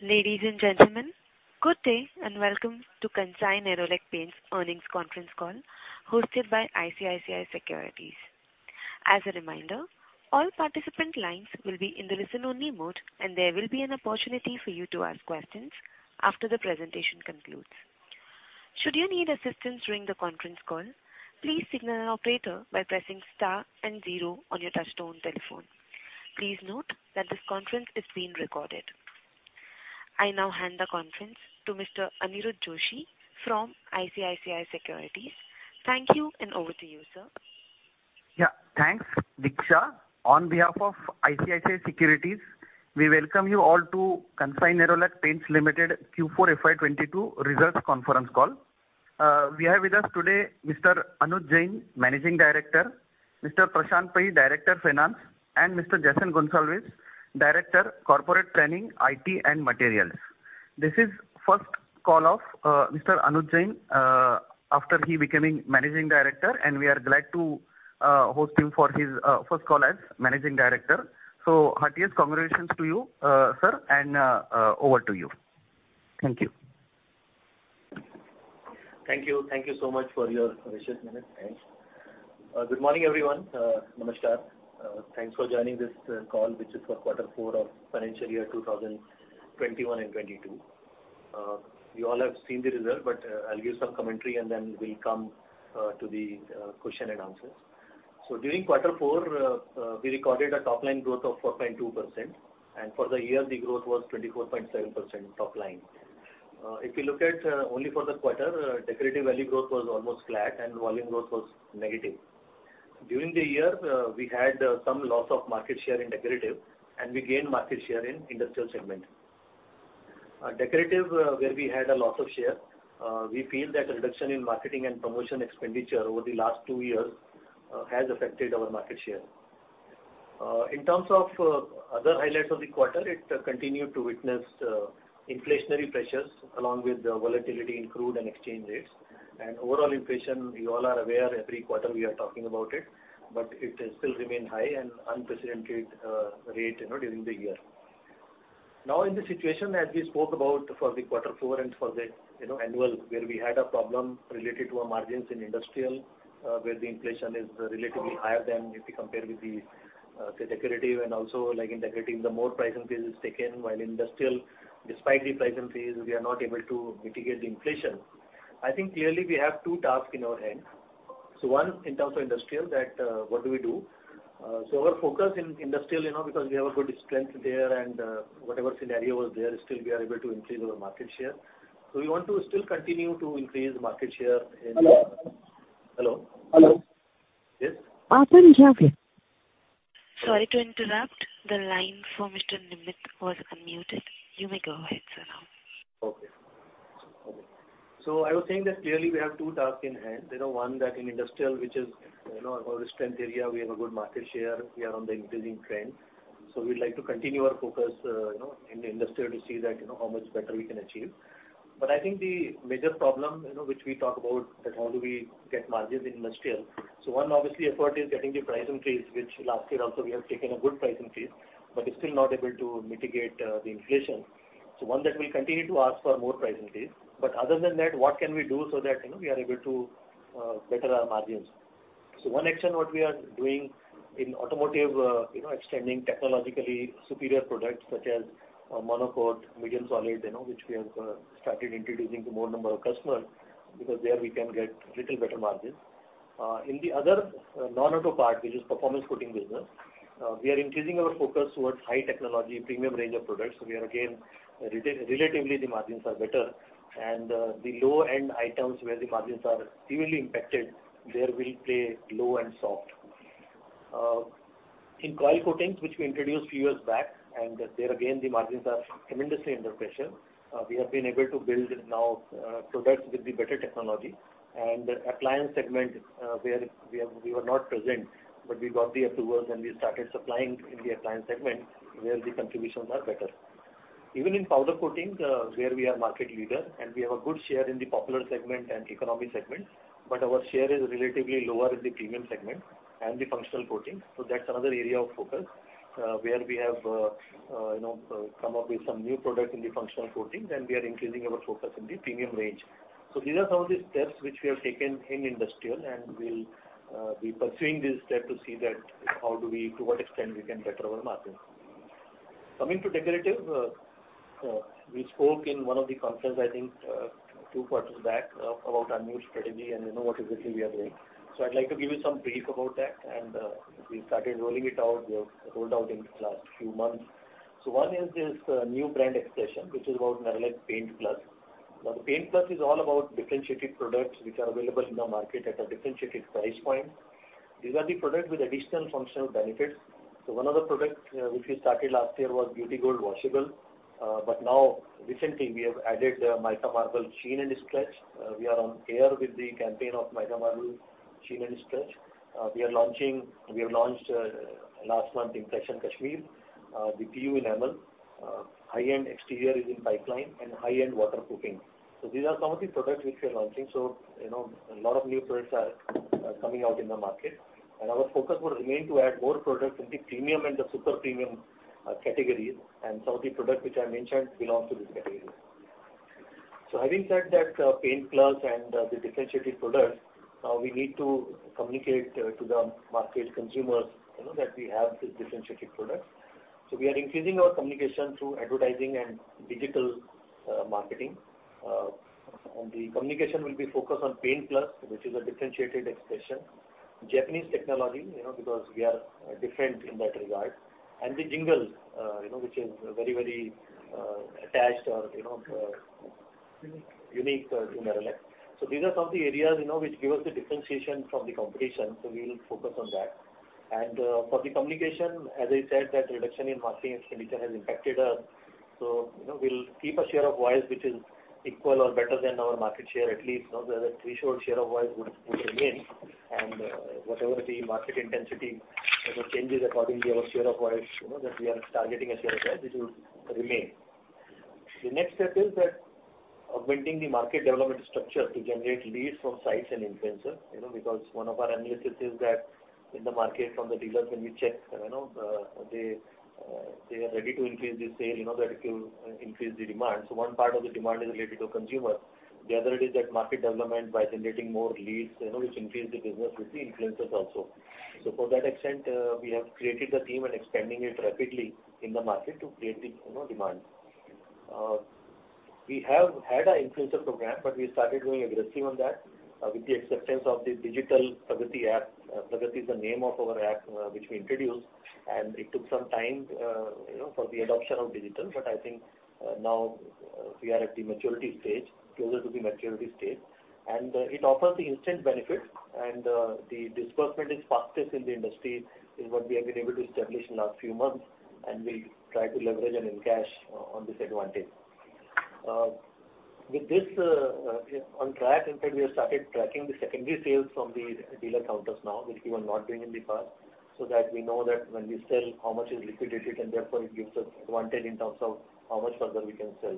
Ladies and gentlemen, good day and welcome to Kansai Nerolac Paints Earnings Conference Call hosted by ICICI Securities. As a reminder, all participant lines will be in the listen-only mode, and there will be an opportunity for you to ask questions after the presentation concludes. Should you need assistance during the conference call, please signal an operator by pressing star and zero on your touchtone telephone. Please note that this conference is being recorded. I now hand the conference to Mr. Aniruddha Joshi from ICICI Securities. Thank you, and over to you, sir. Yeah, thanks, Diksha. On behalf of ICICI Securities, we welcome you all to Kansai Nerolac Paints Limited Q4 FY 2021-22 results conference call. We have with us today Mr. Anuj Jain, Managing Director, Mr. Prashant Pai, Director, Finance, and Mr. Jason Gonsalves, Director, Corporate Planning, IT and Materials. This is first call of Mr. Anuj Jain after he becoming Managing Director, and we are glad to host him for his first call as Managing Director. Heartiest congratulations to you, sir, and over to you. Thank you. Thank you. Thank you so much for your precious minutes. Thanks. Good morning, everyone. Namaskar. Thanks for joining this call, which is for quarter four of financial year 2021-22. You all have seen the result, but I'll give some commentary, and then we'll come to the question and answers. During quarter four, we recorded a top line growth of 4.2%, and for the year the growth was 24.7% top line. If you look at only for the quarter, decorative value growth was almost flat and volume growth was negative. During the year, we had some loss of market share in decorative, and we gained market share in industrial segment. Decorative, where we had a loss of share, we feel that reduction in marketing and promotion expenditure over the last two years has affected our market share. In terms of other highlights of the quarter, it continued to witness inflationary pressures along with the volatility in crude and exchange rates. Overall inflation, you all are aware every quarter we are talking about it, but it still remain high and unprecedented rate, you know, during the year. Now in the situation as we spoke about for the quarter four and for the, you know, annual, where we had a problem related to our margins in industrial, where the inflation is relatively higher than if you compare with the, say decorative and also like in decorative, the more price increase is taken, while industrial despite the price increase, we are not able to mitigate the inflation. I think clearly we have two tasks in our hand. One in terms of industrial that, what do we do? Our focus in industrial, you know, because we have a good strength there and, whatever scenario was there, still we are able to increase our market share. We want to still continue to increase market share in- Hello? Hello. Hello. Yes. Sorry to interrupt. The line for Mr. Nimit was unmuted. You may go ahead, sir, now. Okay. I was saying that clearly we have two tasks in hand. You know, one that in industrial, which is, you know, our strength area, we have a good market share. We are on the increasing trend. We'd like to continue our focus, you know, in the industrial to see that, you know, how much better we can achieve. I think the major problem, you know, which we talk about that how do we get margins in industrial. One obvious effort is getting the price increase, which last year also we have taken a good price increase, but it's still not able to mitigate the inflation. One that we continue to ask for more price increase. Other than that, what can we do so that, you know, we are able to better our margins? One action what we are doing in automotive, you know, extending technologically superior products such as, Monocoat, Medium Solid, you know, which we have started introducing to more number of customers because there we can get little better margins. In the other, non-auto part, which is performance coating business, we are increasing our focus towards high technology, premium range of products. We are again relatively the margins are better. The low-end items where the margins are severely impacted, there we'll play low and soft. In coil coatings, which we introduced few years back, and there again the margins are tremendously under pressure. We have been able to build now, products with the better technology. Appliance segment, we were not present, but we got the approvals, and we started supplying in the appliance segment where the contributions are better. Even in powder coatings, where we are market leader and we have a good share in the popular segment and economy segment, but our share is relatively lower in the premium segment and the functional coating. That's another area of focus, where we have you know come up with some new product in the functional coatings, and we are increasing our focus in the premium range. These are some of the steps which we have taken in industrial, and we'll be pursuing this step to see to what extent we can better our margins. Coming to decorative, we spoke in one of the conferences, I think, two quarters back about our new strategy and, you know, what exactly we are doing. I'd like to give you some brief about that, and we started rolling it out. We have rolled out in the last few months. One is this, new brand expression, which is about Nerolac Paint+. Now, the Paint+ is all about differentiated products which are available in the market at a differentiated price point. These are the products with additional functional benefits. One of the product, which we started last year was Beauty Gold Washable. But now recently we have added, Mica Marble Stretch & Sheen. We are on air with the campaign of Mica Marble Stretch & Sheen. We have launched last month Impressions Kashmir, the PU Enamel, high-end exterior is in pipeline and high-end water coating. These are some of the products which we are launching. You know, a lot of new products are coming out in the market. Our focus would remain to add more products in the premium and the super premium categories. Some of the products which I mentioned belong to this category. Having said that, Paint+ and the differentiated products we need to communicate to the market consumers, you know, that we have these differentiated products. We are increasing our communication through advertising and digital marketing. The communication will be focused on Paint+, which is a differentiated expression. Japanese technology, you know, because we are different in that regard. The jingle, you know, which is very attached or, you know. Unique to Nerolac. These are some of the areas, you know, which give us the differentiation from the competition, so we'll focus on that. For the communication, as I said, that reduction in marketing expenditure has impacted us. You know, we'll keep a share of voice which is equal or better than our market share, at least. You know, the threshold share of voice would remain. Whatever the market intensity, you know, changes according to our share of voice, you know, that we are targeting a share of voice, it will remain. The next step is that augmenting the market development structure to generate leads from sites and influencers. You know, because one of our analysis is that in the market, from the dealers when we check, you know, they are ready to increase the sales in order to increase the demand. One part of the demand is related to consumers. The other is that market development by generating more leads, you know, which increase the business with the influencers also. To that extent, we have created the team and expanding it rapidly in the market to create the, you know, demand. We have had our influencer program, but we started getting aggressive on that with the acceptance of the digital Pragati app. Pragati is the name of our app, which we introduced, and it took some time, you know, for the adoption of digital. I think, now, we are at the maturity stage, closer to the maturity stage. It offers the instant benefits and, the disbursement is fastest in the industry, is what we have been able to establish in last few months, and we try to leverage and encash on this advantage. With this, on track, in fact, we have started tracking the secondary sales from the dealer counters now, which we were not doing in the past, so that we know that when we sell how much is liquidated, and therefore it gives us advantage in terms of how much further we can sell.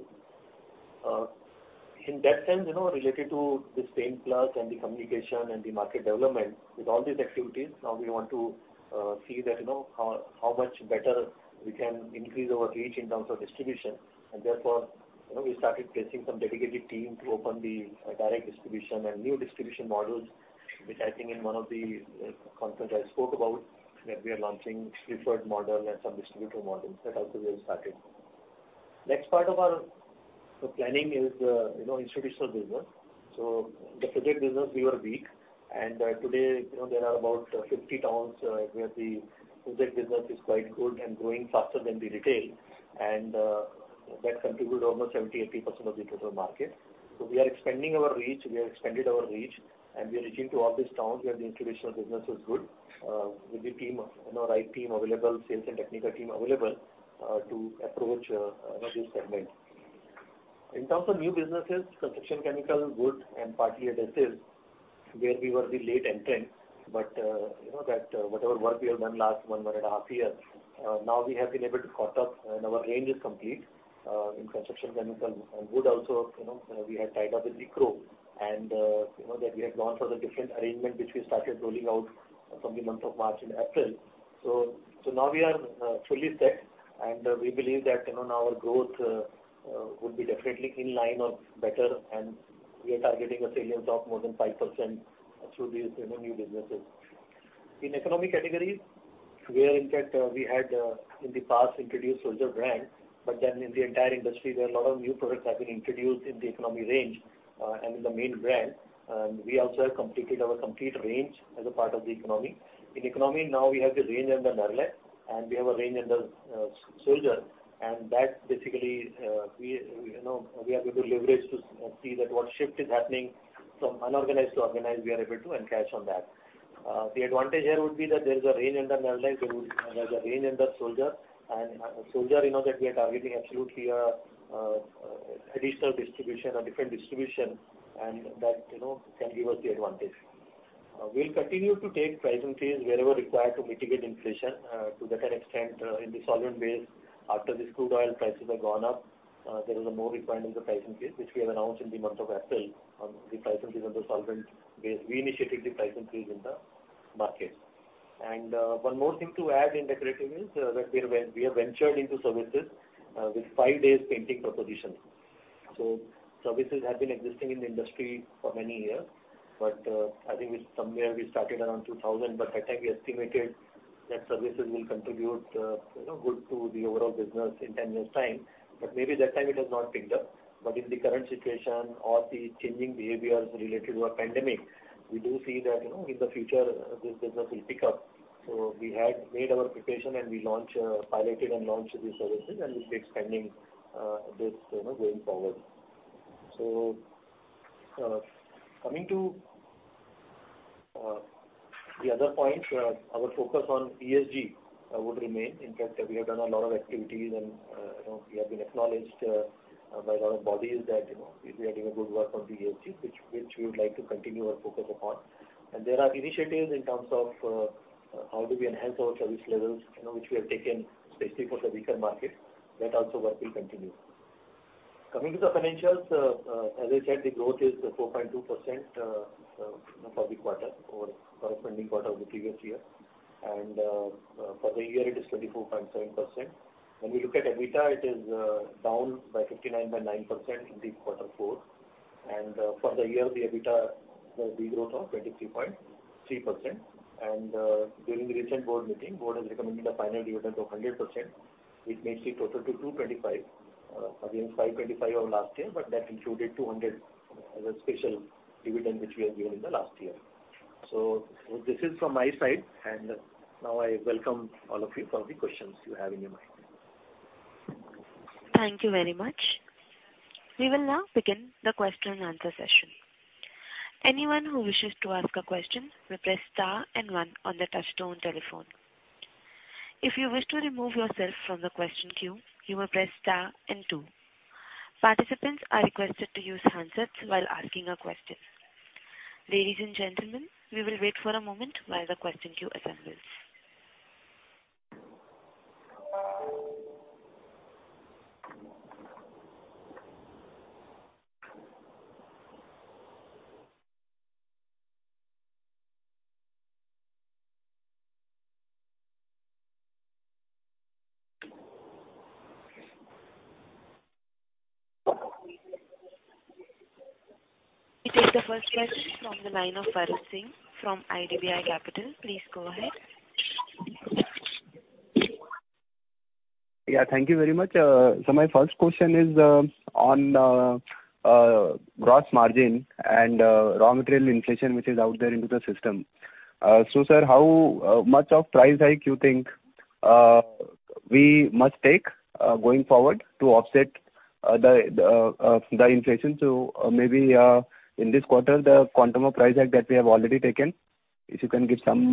In that sense, you know, related to this Paint Plus and the communication and the market development, with all these activities, now we want to see that, you know, how much better we can increase our reach in terms of distribution. Therefore, you know, we started placing some dedicated team to open the direct distribution and new distribution models, which I think in one of the conference I spoke about, that we are launching preferred model and some distributor models. That also we have started. Next part of our planning is, you know, institutional business. The project business we were weak, and today, you know, there are about 50 towns where the project business is quite good and growing faster than the retail. That contributed almost 70-80% of the total market. We are expanding our reach. We have expanded our reach, and we are reaching to all these towns where the institutional business is good, with the right team available, sales and technical team available, to approach this segment. In terms of new businesses, Construction Chemical, Wood, and Putty & Adhesives, where we were the late entrant, but you know that whatever work we have done last one and a half year, now we have been able to catch up and our range is complete in Construction Chemical. Wood also, you know, we had tied up with Micro. You know that we have gone for the different arrangement which we started rolling out from the month of March and April. Now we are fully set, and we believe that, you know, our growth would be definitely in line or better, and we are targeting a sales of more than 5% through these, you know, new businesses. In economy category, where in fact we had in the past introduced Soldier brand, but then in the entire industry there are a lot of new products have been introduced in the economy range, and in the main brand. We also have completed our complete range as a part of the economy. In economy now we have the range under Nerolac, and we have a range under Soldier. That basically, we, you know, we are able to leverage to see that what shift is happening from unorganized to organized, we are able to encash on that. The advantage here would be that there is a range under Nerolac, there's a range under Soldier. Soldier, you know, that we are targeting absolutely additional distribution or different distribution and that, you know, can give us the advantage. We'll continue to take price increase wherever required to mitigate inflation. To that extent, in the solvent base, after the crude oil prices have gone up, there is a more requirement of price increase, which we have announced in the month of April on the price increase on the solvent base. We initiated the price increase in the market. One more thing to add in decorative is that we have ventured into services with five-day painting proposition. Services have been existing in the industry for many years, but I think it's somewhere we started around 2000, but that time we estimated that services will contribute, you know, good to the overall business in 10 years' time. Maybe that time it has not picked up. In the current situation or the changing behaviors related to a pandemic, we do see that, you know, in the future, this business will pick up. We had made our preparation and piloted and launched the services, and we'll be expanding, this, you know, going forward. Coming to the other point, our focus on ESG would remain. In fact, we have done a lot of activities and, you know, we have been acknowledged by a lot of bodies that, you know, we are doing a good work on the ESG, which we would like to continue our focus upon. There are initiatives in terms of how do we enhance our service levels, you know, which we have taken specifically for the weaker market. That also work will continue. Coming to the financials, as I said, the growth is 4.2%, you know, for the quarter or for the corresponding quarter of the previous year. For the year it is 24.7%. When we look at EBITDA, it is down by 59.9% in the quarter four. For the year, the EBITDA will be growth of 23.3%. During the recent board meeting, board has recommended a final dividend of 100%, which makes the total to 225, against 525 of last year, but that included 200 as a special dividend which we have given in the last year. This is from my side, and now I welcome all of you for the questions you have in your mind. Thank you very much. We will now begin the question and answer session. Anyone who wishes to ask a question may press star and one on their touch-tone telephone. If you wish to remove yourself from the question queue, you may press star and two. Participants are requested to use handsets while asking a question. Ladies and gentlemen, we will wait for a moment while the question queue assembles. We take the first question from the line of Vivek Singh from IDBI Capital. Please go ahead. Yeah, thank you very much. My first question is on gross margin and raw material inflation which is out there into the system. Sir, how much of price hike you think we must take going forward to offset the inflation? Maybe in this quarter, the quantum of price hike that we have already taken, if you can give some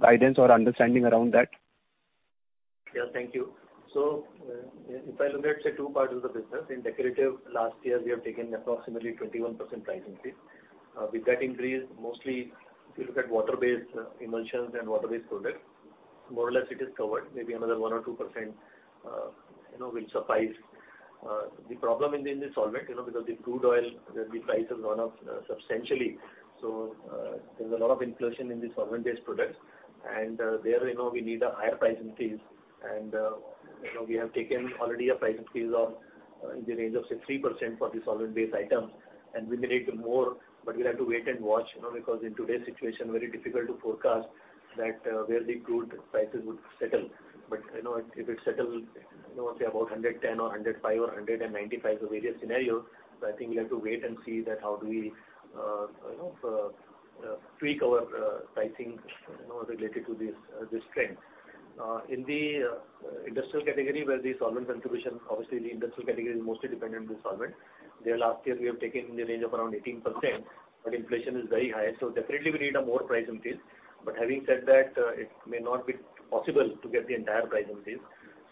guidance or understanding around that. Yeah, thank you. If I look at, say, two parts of the business, in decorative last year we have taken approximately 21% price increase. With that increase, mostly if you look at water-based emulsions and water-based products, more or less it is covered, maybe another 1 or 2%, you know, will suffice. The problem is in the solvent, you know, because the crude oil, the price has gone up substantially. There's a lot of inflation in the solvent-based products. There, you know, we need a higher price increase. You know, we have taken already a price increase of, in the range of, say, 3% for the solvent-based items. We may need to do more, but we'll have to wait and watch, you know, because in today's situation, very difficult to forecast that where the crude prices would settle. You know, if it settles, you know, say, about $110 or $105 or $195, the various scenarios, so I think we have to wait and see that how do we, you know, tweak our pricing, you know, related to this this trend. In the industrial category, where the solvent contribution, obviously the industrial category is mostly dependent on solvent. In last year we have taken in the range of around 18%, but inflation is very high, so definitely we need a more price increase. Having said that, it may not be possible to get the entire price increase.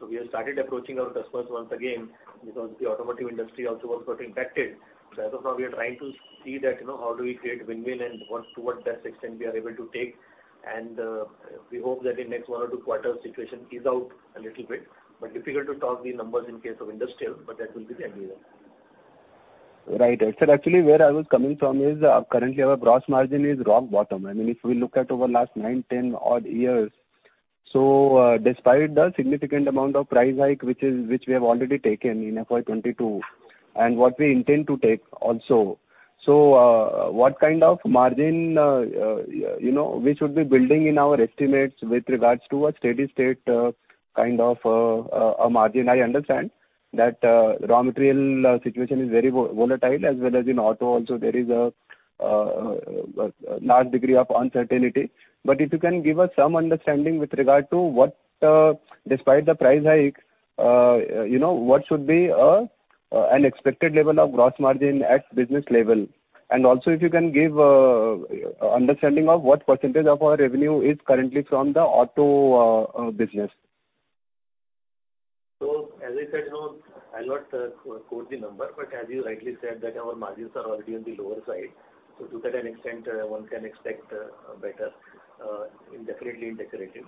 We have started approaching our customers once again because the automotive industry also was got impacted. As of now we are trying to see that, you know, how do we create win-win and what, towards that extent we are able to take. We hope that in next one or two quarters situation ease out a little bit. Difficult to talk the numbers in case of industrial, but that will be the area. Actually, where I was coming from is, currently our gross margin is rock bottom. I mean, if we look at over last nine, 10 odd years. Despite the significant amount of price hike which we have already taken in FY 2022, and what we intend to take also. What kind of margin, you know, we should be building in our estimates with regards to a steady state, kind of, a margin? I understand that, raw material situation is very volatile as well as in auto also there is a large degree of uncertainty. But if you can give us some understanding with regard to what, despite the price hike, you know, what should be, an expected level of gross margin at business level? Also, if you can give understanding of what percentage of our revenue is currently from the auto business? As I said, you know, I'll not quote the number, but as you rightly said that our margins are already on the lower side. To that extent, one can expect better, definitely in decorative.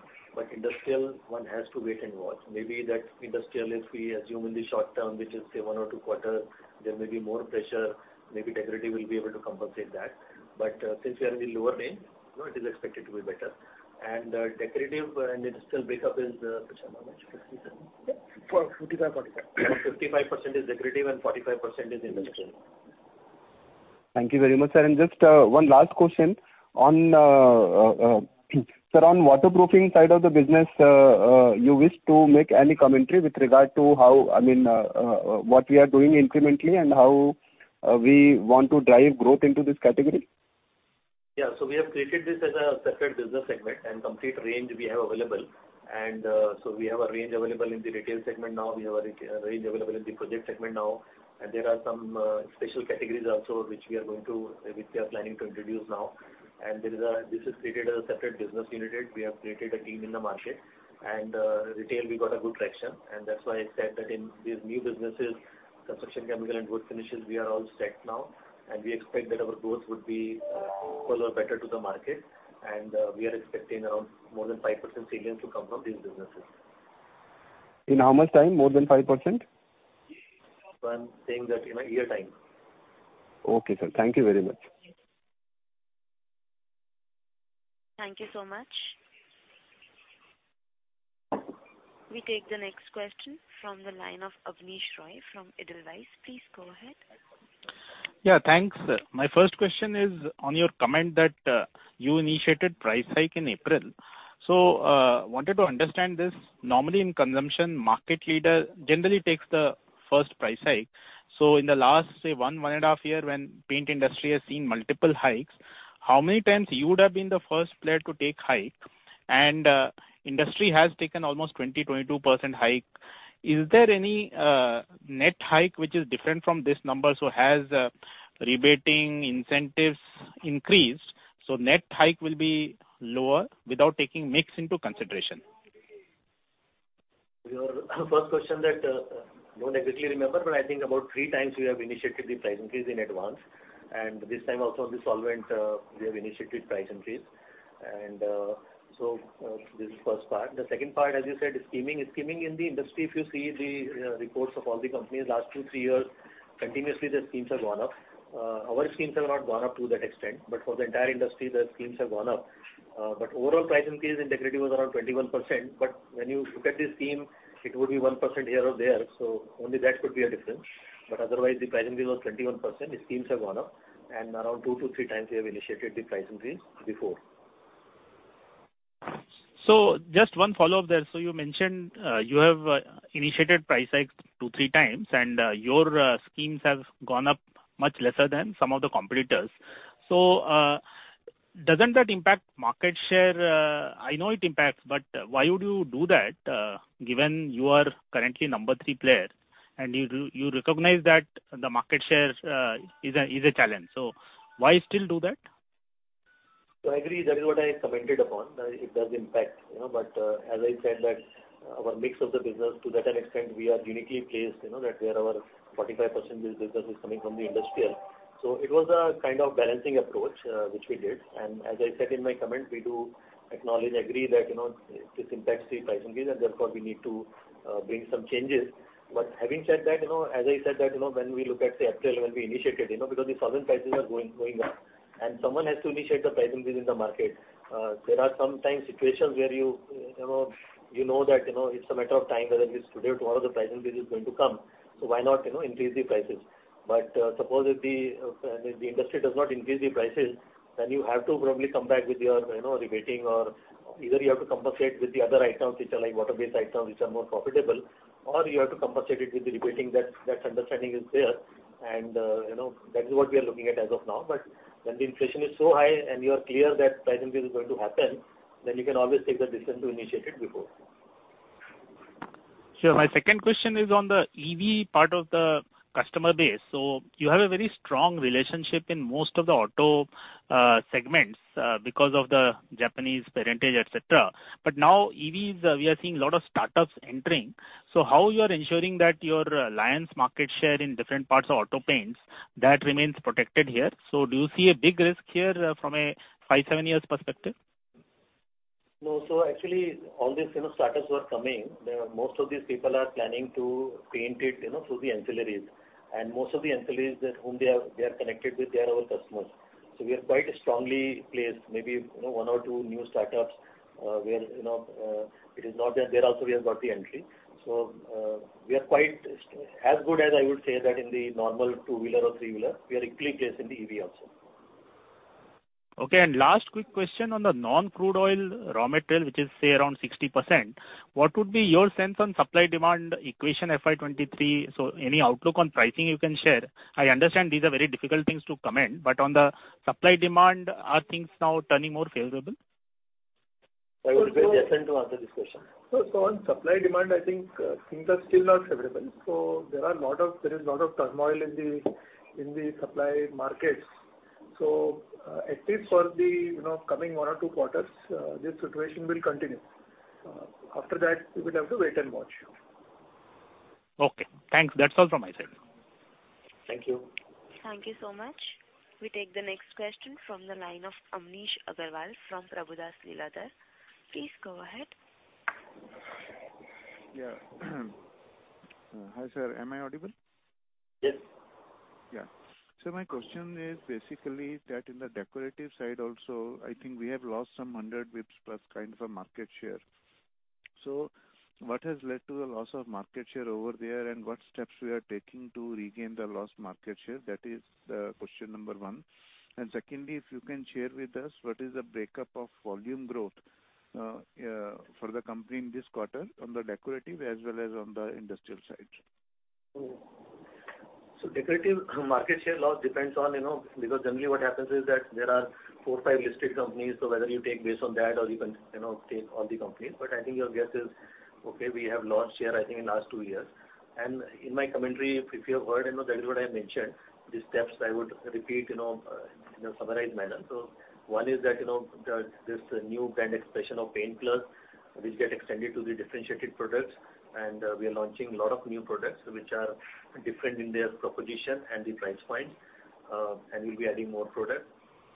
Industrial, one has to wait and watch. Maybe that industrial, if we assume in the short term, which is say one or two quarters, there may be more pressure, maybe decorative will be able to compensate that. Since we are in the lower range, you know, it is expected to be better. Decorative and industrial breakup is, Prashant, how much? 57%. Yeah. For 55%, 45%. 55% is decorative and 45% is industrial. Thank you very much, sir. Just one last question. On, sir, on waterproofing side of the business, you wish to make any commentary with regard to how, I mean, what we are doing incrementally and how, we want to drive growth into this category? Yeah. We have created this as a separate business segment, and complete range we have available. We have a range available in the retail segment now. We have a range available in the project segment now. There are some special categories also which we are planning to introduce now. This is created as a separate business unit. We have created a team in the market. In retail we got a good traction. That's why I said that in these new businesses, construction chemical and wood finishes, we are all set now. We expect that our growth would be equal or better to the market. We are expecting around more than 5% sales to come from these businesses. In how much time, more than 5%? I'm saying that, you know, year time. Okay, sir. Thank you very much. Thank you so much. We take the next question from the line of Abneesh Roy from Edelweiss. Please go ahead. Yeah, thanks. My first question is on your comment that you initiated price hike in April. Wanted to understand this. Normally, in consumption, market leader generally takes the first price hike. In the last, say, 1.5 Years when paint industry has seen multiple hikes, how many times you would have been the first player to take hike and industry has taken almost 22% hike. Is there any net hike which is different from this number, so has rebates, incentives increased, so net hike will be lower without taking mix into consideration? Your first question, I don't exactly remember, but I think about three times we have initiated the price increase in advance, and this time also the solvent we have initiated price increase. This is first part. The second part, as you said, is scheme. Scheme in the industry, if you see the reports of all the companies last two, three years, continuously their schemes have gone up. Our schemes have not gone up to that extent, but for the entire industry the schemes have gone up. Overall price increase in decorative was around 21%, but when you look at the scheme it would be 1% here or there, so only that could be a difference. Otherwise the price increase was 21%. The schemes have gone up, and around 2-3 times we have initiated the price increase before. Just one follow-up there. You mentioned you have initiated price hikes two, three times and your schemes have gone up much lesser than some of the competitors. Doesn't that impact market share? I know it impacts, but why would you do that given you are currently number three player and you recognize that the market share is a challenge. Why still do that? I agree, that is what I commented upon. It does impact, you know, but, as I said that our mix of the business to that extent we are uniquely placed, you know, that where our 45% of this business is coming from the industrial. It was a kind of balancing approach, which we did. As I said in my comment, we do acknowledge, agree that, you know, this impacts the price increase and therefore we need to, bring some changes. Having said that, you know, as I said that, you know, when we look at, say, April when we initiated, you know, because the solvent prices are going up and someone has to initiate the price increase in the market. There are sometimes situations where you know that it's a matter of time, whether it's today or tomorrow, the price increase is going to come, so why not increase the prices? Suppose if the industry does not increase the prices, then you have to probably come back with your rebating or either you have to compensate with the other items which are like water-based items which are more profitable or you have to compensate it with the rebating. That understanding is there and you know that is what we are looking at as of now. When the inflation is so high and you are clear that price increase is going to happen, then you can always take the decision to initiate it before. Sure. My second question is on the EV part of the customer base. You have a very strong relationship in most of the auto segments, because of the Japanese parentage, et cetera. Now EVs, we are seeing a lot of startups entering. How you are ensuring that your alliance market share in different parts of auto paints, that remains protected here. Do you see a big risk here from a 5-7 years perspective? No. Actually all these, you know, startups who are coming, most of these people are planning to paint it, you know, through the ancillaries. Most of the ancillaries that whom they are, they are connected with, they are our customers. We are quite strongly placed, maybe, you know, one or two new startups, where, you know, it is not there. There also we have got the entry. We are quite as good as I would say that in the normal two-wheeler or three-wheeler, we are equally placed in the EV also. Okay. Last quick question on the non-crude oil raw material, which is, say, around 60%, what would be your sense on supply demand equation FY 2023? Any outlook on pricing you can share. I understand these are very difficult things to comment, but on the supply demand, are things now turning more favorable? I would request Jason Gonsalves to answer this question. On supply and demand, I think things are still not favorable. There is a lot of turmoil in the supply markets. At least for the coming one or two quarters, you know, this situation will continue. After that, we would have to wait and watch. Okay, thanks. That's all from my side. Thank you. Thank you so much. We take the next question from the line of Amnish Aggarwal from Prabhudas Lilladher. Please go ahead. Yeah. Hi, sir. Am I audible? Yes. Yeah. My question is basically that in the decorative side also, I think we have lost some 100 bps plus kind of a market share. What has led to the loss of market share over there and what steps we are taking to regain the lost market share? That is question number one. And secondly, if you can share with us what is the breakup of volume growth for the company in this quarter on the decorative as well as on the industrial side? Decorative market share loss depends on, you know, because generally what happens is that there are four, five listed companies. Whether you take based on that or you can, you know, take all the companies. I think your guess is okay, we have lost share, I think in last two years. In my commentary, if you have heard, you know, that is what I mentioned. The steps I would repeat, you know, in a summarized manner. One is that, you know, this new brand expression of Paint+, which get extended to the differentiated products. We are launching a lot of new products which are different in their proposition and the price point, and we'll be adding more products.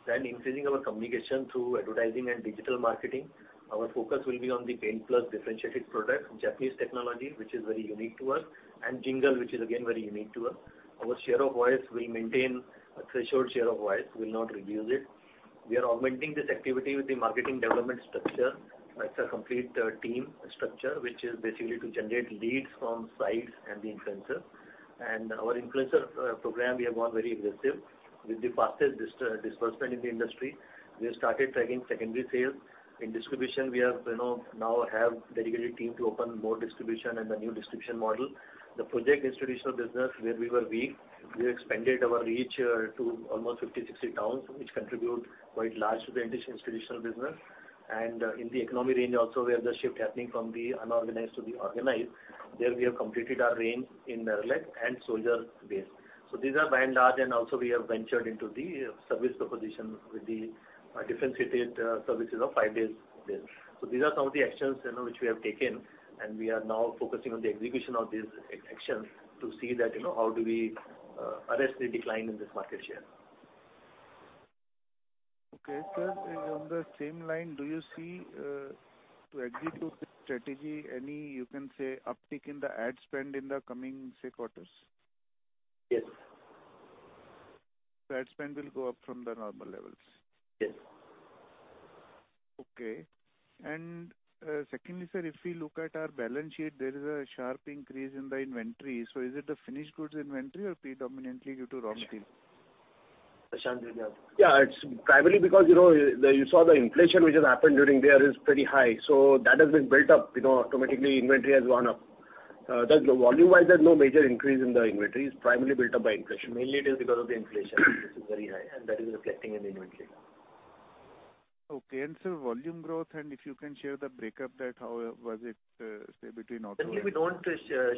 Increasing our communication through advertising and digital marketing. Our focus will be on the Paint+ differentiated products, Japanese technology, which is very unique to us, and jingle, which is again very unique to us. Our share of voice will maintain a threshold share of voice. We will not reduce it. We are augmenting this activity with the marketing development structure. It's a complete team structure, which is basically to generate leads from sites and the influencer. Our influencer program, we have gone very aggressive with the fastest disbursement in the industry. We have started tracking secondary sales. In distribution, we have, you know, now have dedicated team to open more distribution and the new distribution model. The project institutional business where we were weak, we expanded our reach to almost 50-60 towns, which contribute quite large to the institutional business. In the economy range also where the shift happening from the unorganized to the organized, there we have completed our range in Enamel and Soldier base. These are by and large, and also we have ventured into the service proposition with the differentiated services of five days there. These are some of the actions, you know, which we have taken, and we are now focusing on the execution of these actions to see that, you know, how do we arrest the decline in this market share. Okay, sir. On the same line, do you see, to execute this strategy, any, you can say, uptick in the ad spend in the coming, say, quarters? Yes. The ad spend will go up from the normal levels? Yes. Okay. Secondly, sir, if we look at our balance sheet, there is a sharp increase in the inventory. Is it the finished goods inventory or predominantly due to raw material? Prashant Yeah. Yeah, it's primarily because, you know, you saw the inflation which has happened during the year is pretty high. That has been built up. You know, automatically inventory has gone up. The volume-wise, there's no major increase in the inventories, primarily built up by inflation. Mainly it is because of the inflation which is very high, and that is reflecting in the inventory. Okay. Volume growth, and if you can share the breakup that how was it, say, between auto- Currently, we don't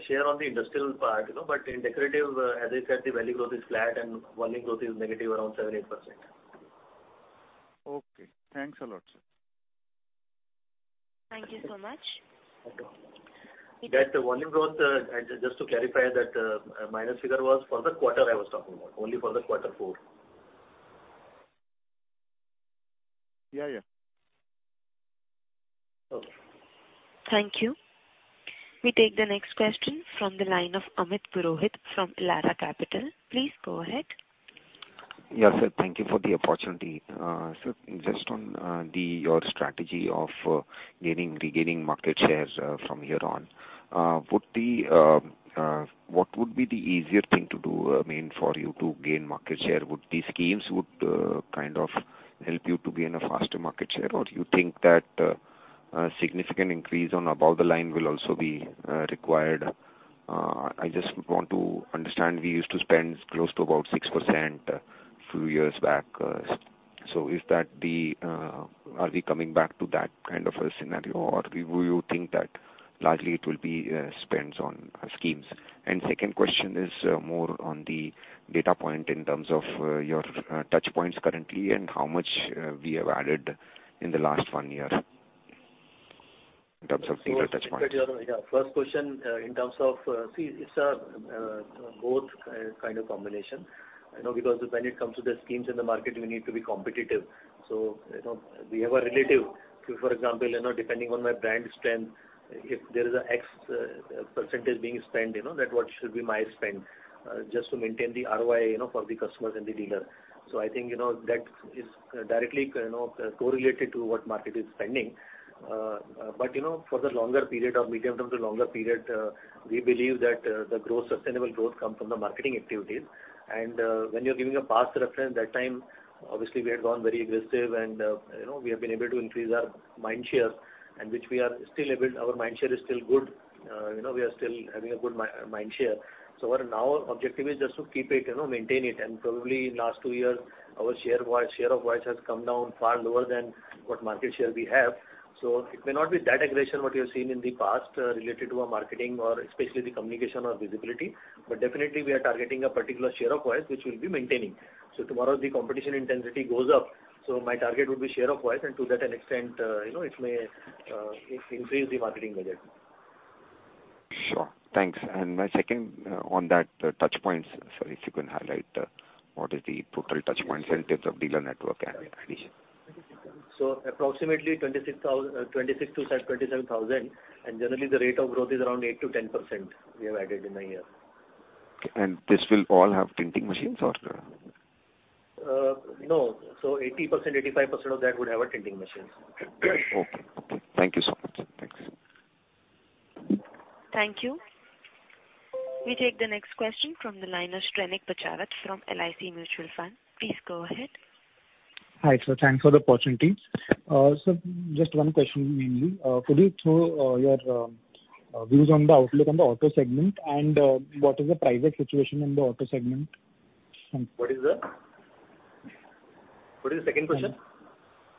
share on the industrial part, you know, but in decorative, as I said, the value growth is flat and volume growth is negative around 7%-8%. Okay. Thanks a lot, sir. Thank you so much. That volume growth, just to clarify that, minus figure was for the quarter I was talking about, only for the quarter four. Yeah, yeah. Thank you. We take the next question from the line of Amit Purohit from Elara Capital. Please go ahead. Yeah, sir. Thank you for the opportunity. So just on your strategy of gaining, regaining market shares from here on, what would be the easier thing to do, I mean, for you to gain market share? Would the schemes kind of help you to gain a faster market share? Or do you think that a significant increase on above the line will also be required? I just want to understand. We used to spend close to about 6% a few years back. Are we coming back to that kind of a scenario, or do you think that largely it will be spends on schemes? Second question is more on the data point in terms of your touchpoints currently and how much we have added in the last one year in terms of dealer touchpoints. To get your first question, in terms of, see, it's a both kind of combination. I know because when it comes to the schemes in the market, we need to be competitive. You know, we have a relative. For example, you know, depending on my brand strength, if there is an X percentage being spent, you know, that what should be my spend just to maintain the ROI, you know, for the customers and the dealer. I think, you know, that is directly, you know, correlated to what market is spending. You know, for the longer period or medium term to longer period, we believe that the growth, sustainable growth come from the marketing activities. When you're giving a past reference, that time obviously we had gone very aggressive and, you know, we have been able to increase our mind share and which we are still able. Our mind share is still good. You know, we are still having a good mind share. Our now objective is just to keep it, you know, maintain it. Probably in the last two years, our share of voice has come down far lower than what market share we have. It may not be that aggression what you have seen in the past, related to our marketing or especially the communication or visibility. Definitely we are targeting a particular share of voice which we'll be maintaining. Tomorrow the competition intensity goes up, so my target would be share of voice, and to that extent, you know, it may increase the marketing budget. Sure. Thanks. My second, on that touchpoints, sorry, if you can highlight what is the total touchpoints in terms of dealer network and in addition? Approximately 26,000-27,000, and generally the rate of growth is around 8%-10% we have added in a year. This will all have tinting machines or? No. 80%-85% of that would have a tinting machine. Okay. Thank you so much. Thanks. Thank you. We take the next question from the line of Shrenik Bachhawat from LIC Mutual Fund. Please go ahead. Hi, sir. Thanks for the opportunity. Just one question mainly. Could you throw your views on the outlook on the auto segment and what is the price hike situation in the auto segment? What is that? What is the second question?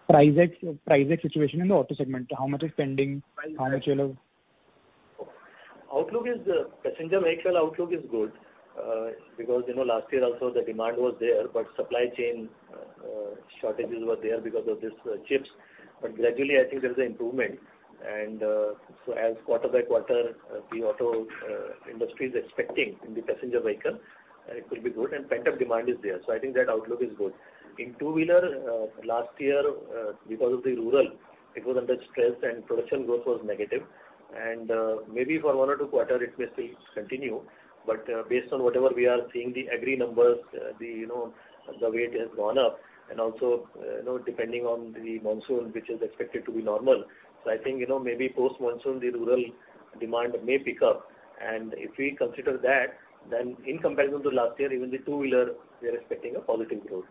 Price exception situation in the auto segment. How much is pending? How much, you know? Outlook is passenger vehicle outlook is good because you know last year also the demand was there but supply chain shortages were there because of this chips. But gradually I think there is an improvement. As quarter by quarter the auto industry is expecting in the passenger vehicle it will be good and pent-up demand is there. I think that outlook is good. In two-wheeler last year because of the rural it was under stress and production growth was negative. Maybe for one or two quarters it may still continue. Based on whatever we are seeing the agri numbers the you know the way it has gone up and also you know depending on the monsoon which is expected to be normal. I think, you know, maybe post-monsoon, the rural demand may pick up. If we consider that, then in comparison to last year, even the two-wheeler, we are expecting a positive growth.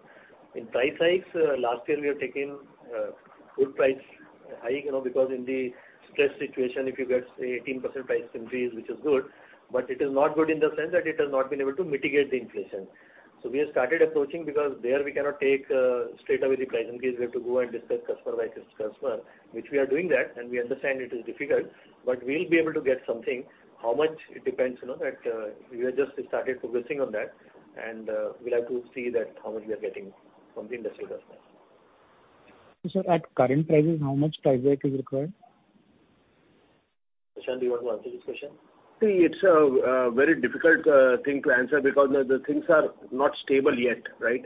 In price hikes, last year we have taken good price hike, you know, because in the stress situation, if you get, say, 18% price increase, which is good, but it is not good in the sense that it has not been able to mitigate the inflation. We have started approaching because there we cannot take straightaway the price increase. We have to go and discuss customer by customer, which we are doing that, and we understand it is difficult. We'll be able to get something. How much? It depends, you know, that we have just started focusing on that. We'll have to see that how much we are getting from the industrial customers. Sir, at current prices, how much price hike is required? Prashant, do you want to answer this question? See, it's a very difficult thing to answer because the things are not stable yet, right?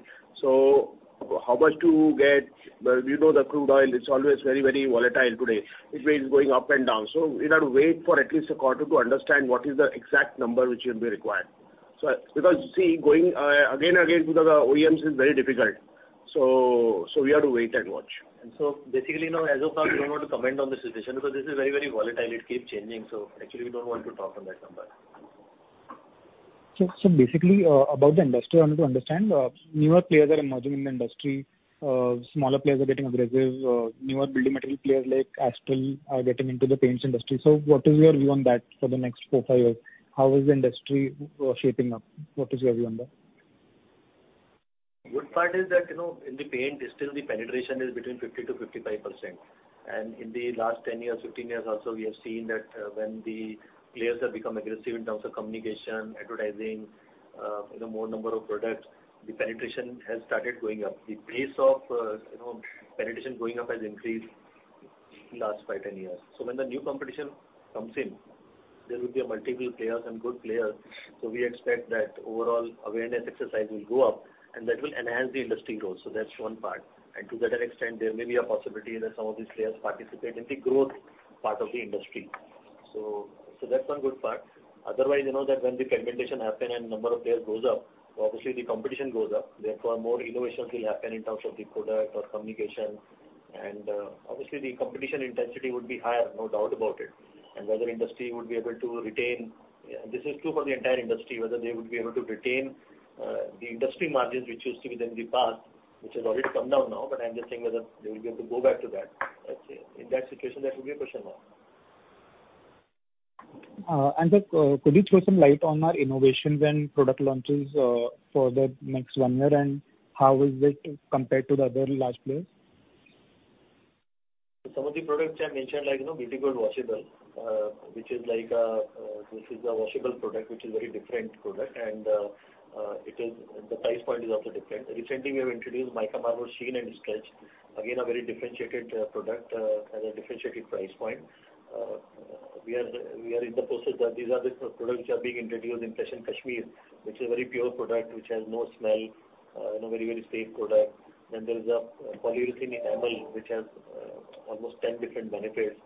How much to get, well, you know, the crude oil is always very, very volatile today. It means going up and down. We have to wait for at least a quarter to understand what is the exact number which will be required. Going again and again to the OEMs is very difficult. We have to wait and watch. Basically now, as of now, we don't want to comment on the situation because this is very, very volatile. It keeps changing. Actually we don't want to talk on that number. Basically, about the industry I want to understand, newer players are emerging in the industry, smaller players are getting aggressive, newer building material players like Astral are getting into the paints industry. What is your view on that for the next four, five years? How is the industry shaping up? What is your view on that? Good part is that, you know, in the paint still the penetration is between 50-55%. In the last 10 years, 15 years also, we have seen that, when the players have become aggressive in terms of communication, advertising, you know, more number of products, the penetration has started going up. The pace of, you know, penetration going up has increased last 5, 10 years. When the new competition comes in, there will be a multiple players and good players. We expect that overall awareness exercise will go up, and that will enhance the industry growth. That's one part. To that extent, there may be a possibility that some of these players participate in the growth part of the industry. That's one good part. Otherwise, you know that when the fragmentation happen and number of players goes up, obviously the competition goes up. Therefore, more innovations will happen in terms of the product or communication. Obviously the competition intensity would be higher, no doubt about it. Whether industry would be able to retain, this is true for the entire industry, whether they would be able to retain, the industry margins which used to be there in the past, which has already come down now, but I'm just saying whether they will be able to go back to that. Let's see. In that situation, that will be a question mark. Sir, could you throw some light on our innovation when product launches for the next one year, and how is it compared to the other large players? Some of the products I mentioned, like, you know, Beauty Gold Washable, which is like, this is a washable product which is very different product and, it is the price point is also different. Recently we have introduced Mica Marble Stretch & Sheen, again, a very differentiated, product, at a differentiated price point. We are in the process that these are the products which are being introduced, Impressions Kashmir, which is a very pure product, which has no smell, you know, very, very safe product. Then there is a polyurethane enamel, which has, almost ten different benefits.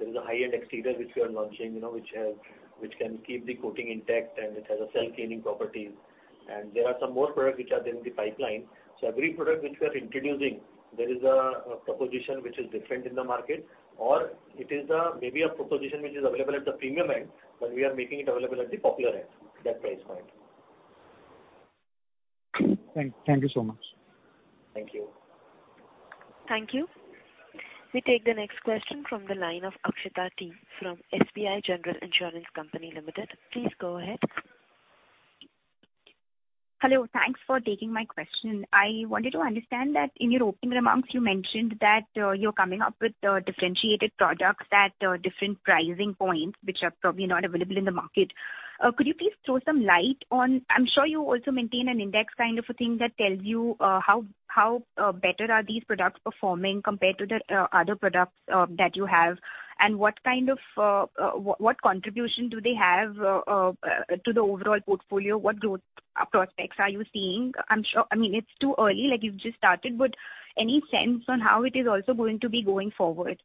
There is a high-end exterior which we are launching, you know, which has, which can keep the coating intact, and it has a self-cleaning properties. There are some more products which are there in the pipeline. Every product which we are introducing, there is a proposition which is different in the market, or it is a, maybe a proposition which is available at the premium end, but we are making it available at the popular end, that price point. Thank you so much. Thank you. Thank you. We take the next question from the line of Akshita T from SBI General Insurance Company Limited. Please go ahead. Hello. Thanks for taking my question. I wanted to understand that in your opening remarks you mentioned that you're coming up with differentiated products at different pricing points, which are probably not available in the market. Could you please throw some light on, I'm sure you also maintain an index kind of a thing that tells you how better are these products performing compared to the other products that you have, and what kind of contribution do they have to the overall portfolio? What growth prospects are you seeing? I mean, it's too early, like you've just started, but any sense on how it is also going to be going forward?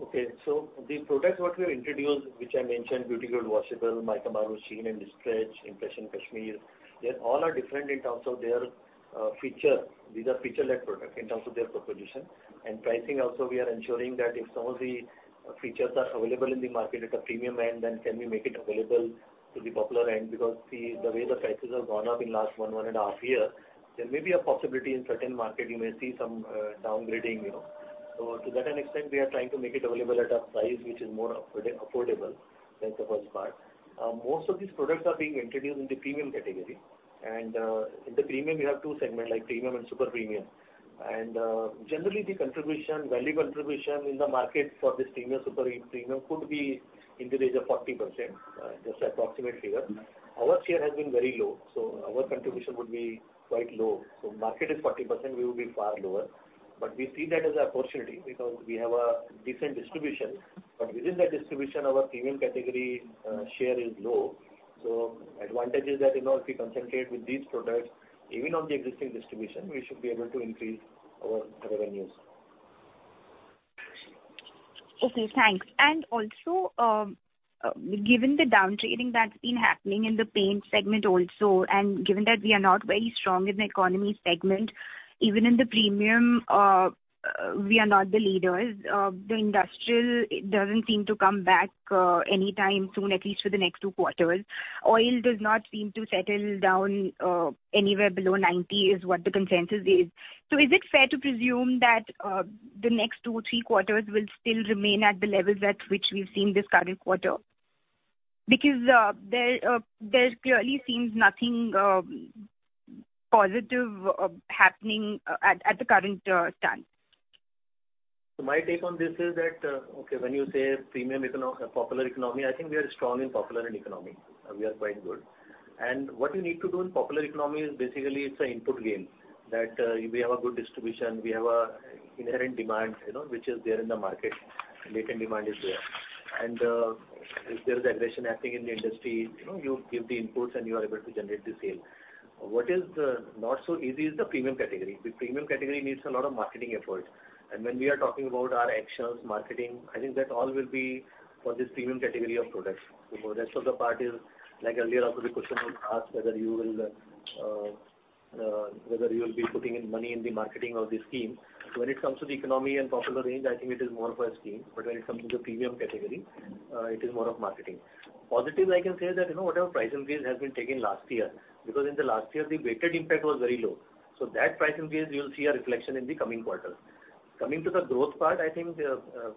Okay. The products what we have introduced, which I mentioned, Beauty Gold Washable, Mica Marble Stretch & Sheen, Impressions Kashmir, they all are different in terms of their feature. These are feature-led product in terms of their proposition. Pricing also, we are ensuring that if some of the features are available in the market at a premium end, then can we make it available to the popular end? Because, see, the way the prices have gone up in last one and a half year, there may be a possibility in certain market you may see some downgrading, you know. To that extent, we are trying to make it available at a price which is more affordable. That's the first part. Most of these products are being introduced in the premium category. In the premium we have two segment, like premium and super premium. Generally the contribution, value contribution in the market for this premium, super premium could be in the range of 40%, just approximate figure. Our share has been very low, so our contribution would be quite low. Market is 40%, we will be far lower. We see that as opportunity because we have a different distribution. Within that distribution, our premium category, share is low. Advantage is that, you know, if we concentrate with these products, even on the existing distribution, we should be able to increase our revenues. Okay, thanks. Given the downtrading that's been happening in the paint segment also, and given that we are not very strong in the economy segment, even in the premium, we are not the leaders. The industrial doesn't seem to come back anytime soon, at least for the next 2 quarters. Oil does not seem to settle down anywhere below 90, is what the consensus is. Is it fair to presume that the next 2-3 quarters will still remain at the levels at which we've seen this current quarter? Because there clearly seems nothing positive happening at the current stance. My take on this is that when you say premium, popular economy, I think we are strong in popular and economy, and we are quite good. What you need to do in popular economy is basically it's an input game, that we have a good distribution, we have an inherent demand, you know, which is there in the market. Latent demand is there. If there's aggression happening in the industry, you know, you give the inputs and you are able to generate the sale. What is not so easy is the premium category. The premium category needs a lot of marketing effort. When we are talking about our actions, marketing, I think that all will be for this premium category of products. Rest of the part is like earlier also the question was asked whether you will be putting in money in the marketing of the scheme. When it comes to the economy and popular range, I think it is more of a scheme, but when it comes to the premium category, it is more of marketing. Positive, I can say that, you know, whatever price increase has been taken last year, because in the last year the weighted impact was very low. So that price increase, you'll see a reflection in the coming quarters. Coming to the growth part, I think, we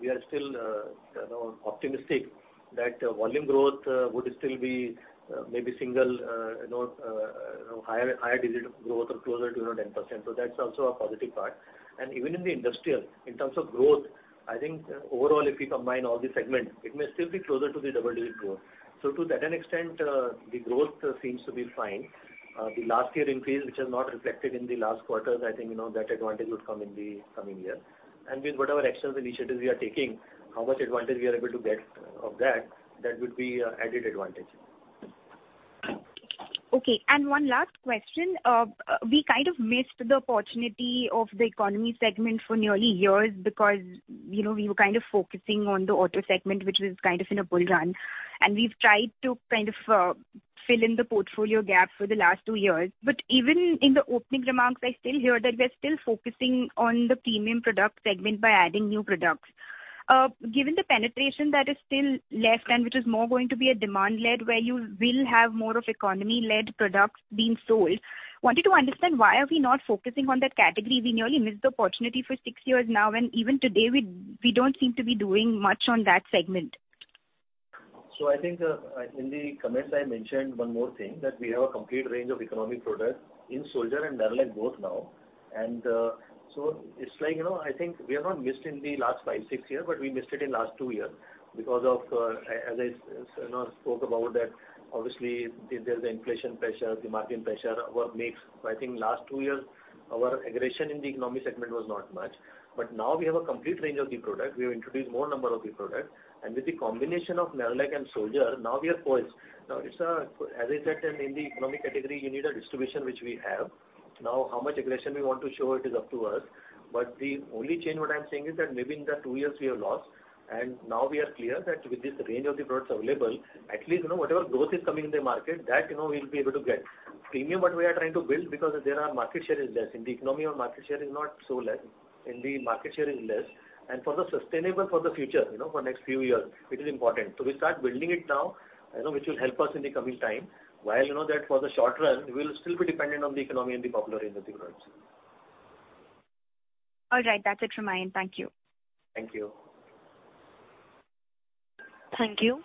are still, you know, optimistic that volume growth would still be, maybe single, you know, higher digit growth or closer to, you know, 10%. That's also a positive part. Even in the industrial, in terms of growth, I think overall if you combine all the segment, it may still be closer to the double-digit growth. To that extent, the growth seems to be fine. The last year increase, which has not reflected in the last quarters, I think, you know, that advantage would come in the coming year. With whatever actions, initiatives we are taking, how much advantage we are able to get of that would be a added advantage. Okay. One last question. We kind of missed the opportunity of the economy segment for nearly six years because, you know, we were kind of focusing on the auto segment, which was kind of in a bull run. We've tried to kind of fill in the portfolio gap for the last two years. Even in the opening remarks, I still hear that we're still focusing on the premium product segment by adding new products. Given the penetration that is still less than, which is more going to be a demand-led, where you will have more of economy-led products being sold, wanted to understand why are we not focusing on that category? We nearly missed the opportunity for six years now, and even today we don't seem to be doing much on that segment. I think, in the comments I mentioned one more thing, that we have a complete range of economy products in Soldier and Nerolac both now. It's like, you know, I think we have not missed in the last five, six years, but we missed it in last two years because of, as I, you know, spoke about that obviously there's the inflation pressure, the margin pressure, what makes. I think last two years our aggression in the economy segment was not much. Now we have a complete range of the product. We have introduced more number of the product. With the combination of Nerolac and Soldier, now we are poised. Now it's, as I said, in the economy category, you need a distribution, which we have. Now, how much aggression we want to show it is up to us. The only thing what I'm saying is that maybe in the two years we have lost, and now we are clear that with this range of the products available, at least, you know, whatever growth is coming in the market, that, you know, we'll be able to get. Premium what we are trying to build because there our market share is less. In the economy our market share is not so less. For the sustainability for the future, you know, for next few years, it is important. We start building it now, you know, which will help us in the coming time. While you know that for the short run, we will still be dependent on the economy and the popular range of the products. All right. That's it from my end. Thank you. Thank you. Thank you.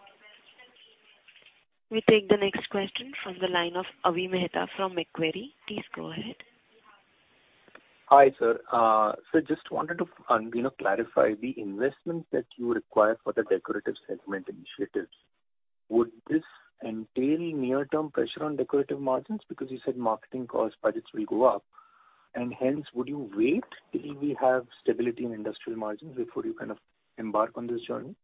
We take the next question from the line of Avi Mehta from Macquarie. Please go ahead. Hi, sir. Just wanted to clarify the investments that you require for the decorative segment initiatives. Would this entail near-term pressure on decorative margins? Because you said marketing cost budgets will go up, and hence would you wait till we have stability in industrial margins before you kind of embark on this journey?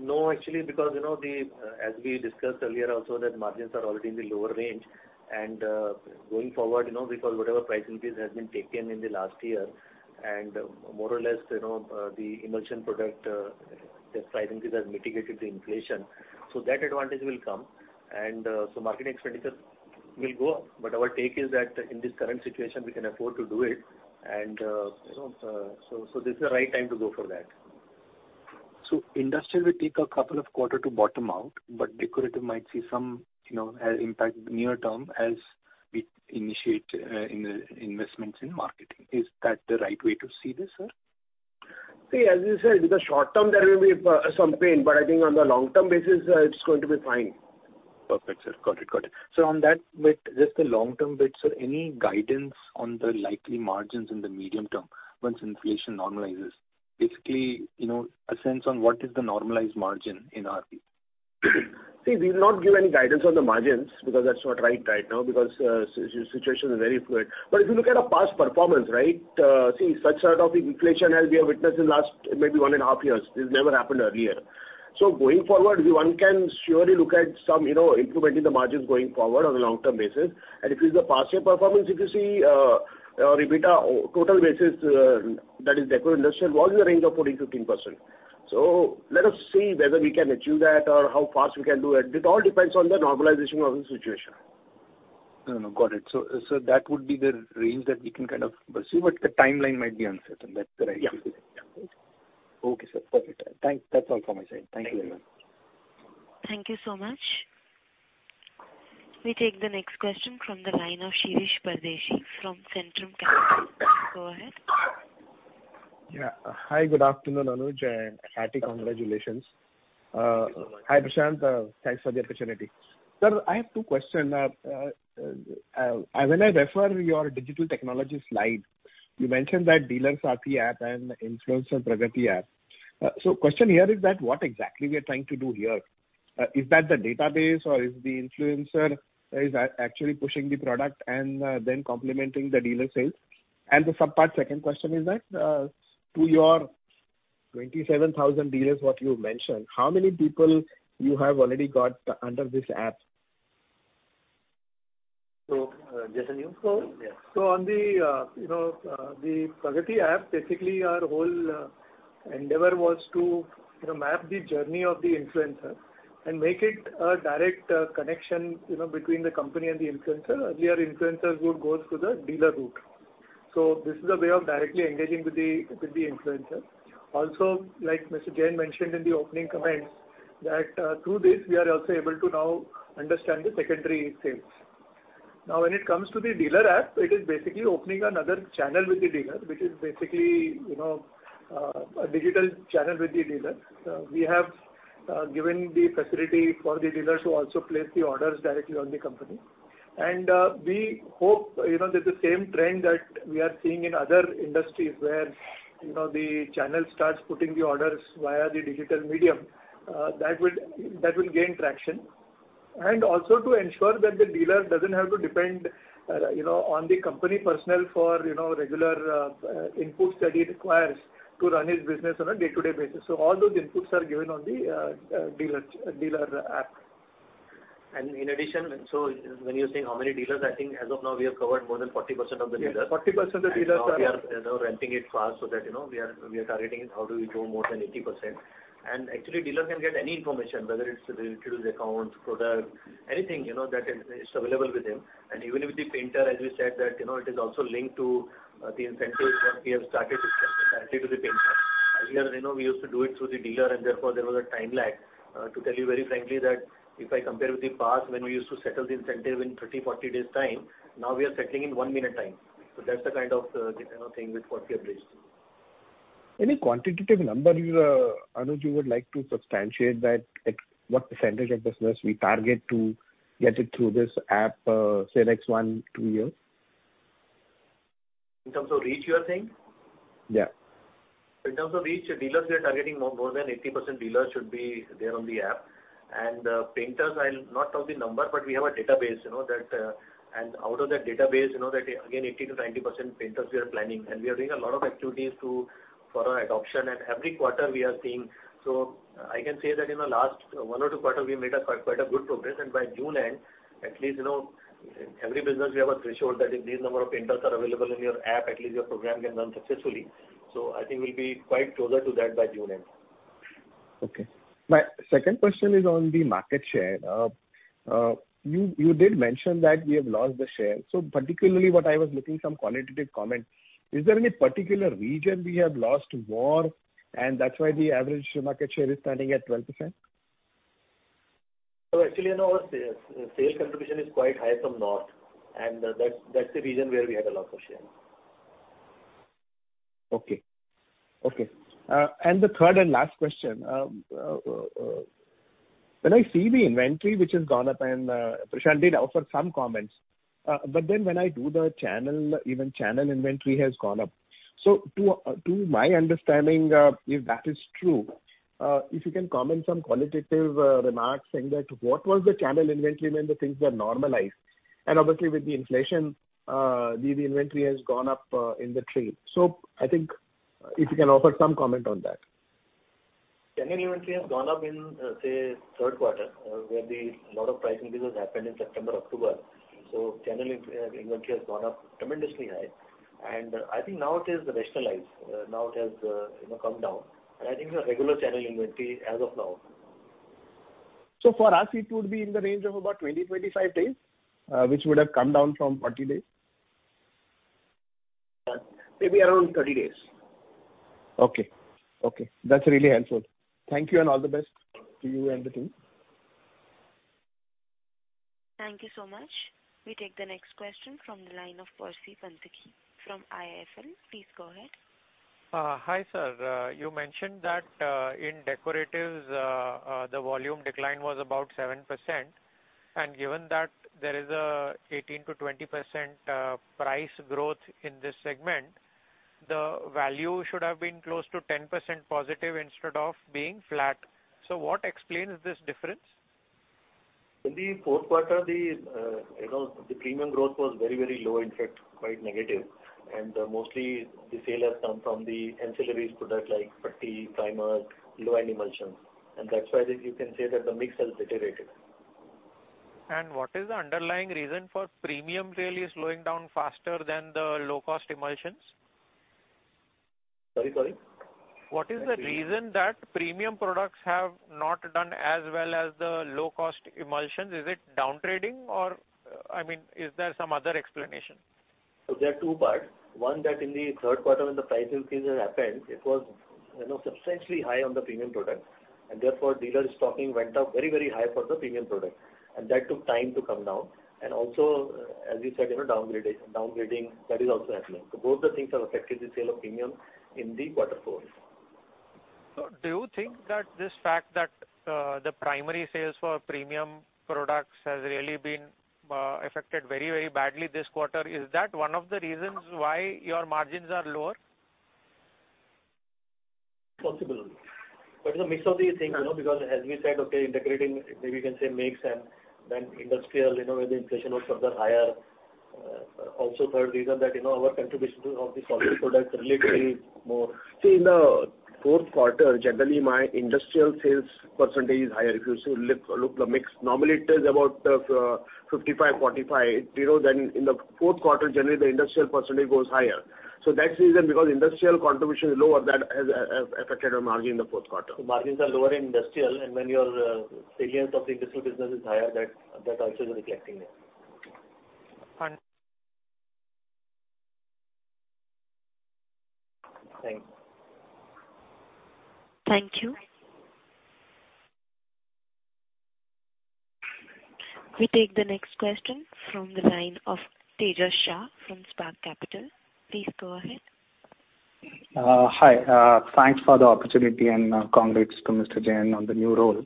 No, actually, because you know the as we discussed earlier also that margins are already in the lower range. Going forward, you know, because whatever price increase has been taken in the last year, and more or less, you know, the emulsion product, their price increases has mitigated the inflation. That advantage will come. Marketing expenditure will go up, but our take is that in this current situation, we can afford to do it. You know, so this is the right time to go for that. Industrial will take a couple of quarters to bottom out, but decorative might see some, you know, impact near term as we initiate investments in marketing. Is that the right way to see this, sir? See, as we said, in the short term there will be some pain, but I think on the long-term basis, it's going to be fine. Perfect, sir. Got it. On that bit, just the long-term bit, sir, any guidance on the likely margins in the medium term once inflation normalizes? Basically, you know, a sense on what is the normalized margin in our view. See, we'll not give any guidance on the margins because that's not right right now, because, situation is very fluid. If you look at our past performance, right, see such sort of inflation as we have witnessed in last maybe one and a half years, this never happened earlier. Going forward, one can surely look at some, you know, improvement in the margins going forward on a long-term basis. If it's the past year performance, if you see, our EBITDA total basis, that is Deco Industrial was in the range of 14%-15%. Let us see whether we can achieve that or how fast we can do it. It all depends on the normalization of the situation. No. Got it. That would be the range that we can kind of pursue, but the timeline might be uncertain. That's the right way to look at it. Yeah. Okay, sir. Perfect. That's all from my side. Thank you very much. Thank you. Thank you so much. We take the next question from the line of Shirish Pardeshi from Centrum Broking. Go ahead. Yeah. Hi, good afternoon, Anuj, and happy congratulations. Thank you so much. Hi, Prashant. Thanks for the opportunity. Sir, I have two question. When I refer your digital technology slide, you mentioned that Dealer Saathi app and Influencer Pragati app. Question here is that what exactly we are trying to do here? Is that the database or is the influencer, is actually pushing the product and, then complementing the dealer sales? The sub-part second question is that, to your 27,000 dealers, what you mentioned, how many people you have already got under this app? Jason, you? So- Yeah. On the Pragati app, basically our whole endeavor was to you know map the journey of the influencer and make it a direct connection you know between the company and the influencer. Earlier influencers would go through the dealer route. This is a way of directly engaging with the influencer. Also, like Mr. Jain mentioned in the opening comments, that through this we are also able to now understand the secondary sales. Now, when it comes to the dealer app, it is basically opening another channel with the dealer, which is basically you know a digital channel with the dealer. We have given the facility for the dealers to also place the orders directly on the company. We hope, you know, that the same trend that we are seeing in other industries where, you know, the channel starts putting the orders via the digital medium, that will gain traction. Also to ensure that the dealer doesn't have to depend, you know, on the company personnel for, you know, regular inputs that he requires to run his business on a day-to-day basis. All those inputs are given on the dealer app. In addition, when you're saying how many dealers, I think as of now we have covered more than 40% of the dealers. Yes, 40% of dealers are- Now we are, you know, ramping it fast so that, you know, we are targeting how do we do more than 80%. Actually, dealers can get any information, whether it's related to his accounts, product, anything, you know, that is available with him. Even with the painter, as we said, that, you know, it is also linked to the incentives that we have started directly to the painter. Earlier, you know, we used to do it through the dealer, and therefore there was a time lag. To tell you very frankly, that if I compare with the past, when we used to settle the incentive in 30, 40 days time, now we are settling in one minute time. So that's the kind of, you know, thing with what we have reached. Any quantitative numbers, Anuj, you would like to substantiate that, like what percentage of business we target to get it through this app, say, next one, two years? In terms of reach, you are saying? Yeah. In terms of reach, dealers we are targeting more than 80% dealers should be there on the app. Painters, I'll not tell the number, but we have a database, you know, that. Out of that database, you know that, 80%-90% painters we are planning. We are doing a lot of activities for our adoption and every quarter we are seeing. I can say that in the last one or two quarters we made quite a good progress. By June end, at least, you know, in every business we have a threshold that if these number of painters are available in your app, at least your program can run successfully. I think we'll be quite closer to that by June end. Okay. My second question is on the market share. You did mention that we have lost the share. Particularly what I was looking for some quantitative comment. Is there any particular region we have lost more and that's why the average market share is standing at 12%? Actually, you know, sales contribution is quite high from north, and that's the region where we had a loss of share. The third and last question. When I see the inventory which has gone up, Prashant did offer some comments. Then when I do the channel, even channel inventory has gone up. To my understanding, if that is true, if you can comment some qualitative remarks saying that what was the channel inventory when the things were normalized? Obviously with the inflation, the inventory has gone up in the trade. I think if you can offer some comment on that. Channel inventory has gone up in, say, third quarter, where a lot of price increases happened in September, October. Channel inventory has gone up tremendously high. I think now it is rationalized, now it has, you know, come down. I think the regular channel inventory as of now. For us, it would be in the range of about 20-25 days, which would have come down from 40 days. Maybe around 30 days. Okay. Okay. That's really helpful. Thank you, and all the best to you and the team. Thank you so much. We take the next question from the line of Percy Panthaki from IIFL. Please go ahead. Hi, sir. You mentioned that in decoratives, the volume decline was about 7%. Given that there is an 18%-20% price growth in this segment, the value should have been close to 10% positive instead of being flat. What explains this difference? In the fourth quarter, the premium growth was very, very low, in fact, quite negative. Mostly the sale has come from the ancillaries product like putty, primers, low-end emulsions. That's why you can say that the mix has deteriorated. What is the underlying reason for premium really slowing down faster than the low-cost emulsions? Sorry. What is the reason that premium products have not done as well as the low-cost emulsions? Is it down trading or, I mean, is there some other explanation? There are two parts. One, that in the third quarter when the price increases happened, it was, you know, substantially high on the premium products, and therefore, dealer stocking went up very, very high for the premium products, and that took time to come down. Also, as you said, you know, downgrading, that is also happening. Both the things have affected the sale of premium in the quarter four. Do you think that this fact that the primary sales for premium products has really been affected very, very badly this quarter, is that one of the reasons why your margins are lower? Possible. It's a mix of these things, you know, because as we said, okay, in decorating maybe you can say mix and then industrial, you know, where the inflation was further higher. Also third reason that, you know, our contribution of the solvent products relatively more. See, in the fourth quarter, generally, my industrial sales percentage is higher. If you see, look at the mix. Normally it is about 55%-45%. You know, then in the fourth quarter, generally the industrial percentage goes higher. That's the reason because industrial contribution is lower that has affected our margin in the fourth quarter. Margins are lower in industrial and when your sales of the industrial business is higher, that also is reflecting there. Understood. Thanks. Thank you. We take the next question from the line of Tejas Shah from Spark Capital. Please go ahead. Hi. Thanks for the opportunity and congrats to Mr. Jain on the new role.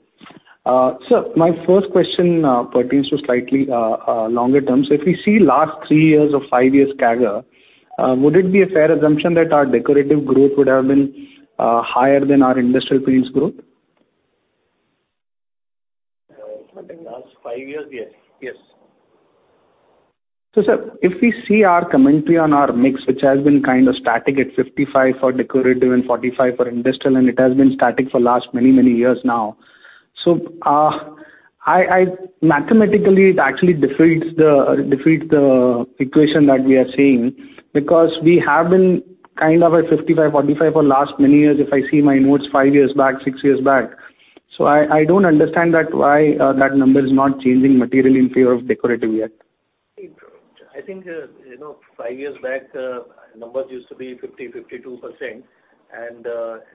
My first question pertains to slightly longer term. If we see last three years or five years CAGR, would it be a fair assumption that our decorative growth would have been higher than our industrial paints growth? Last five years, yes. Yes. Sir, if we see our commentary on our mix, which has been kind of static at 55% for decorative and 45% for industrial, and it has been static for last many, many years now. I mathematically, it actually defeats the equation that we are seeing because we have been kind of at 55%-45% for last many years, if I see my notes five years back, six years back. I don't understand why that number is not changing materially in favor of decorative yet. I think, you know, five years back, numbers used to be 50, 52%.